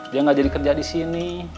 dia nggak jadi kerja di sini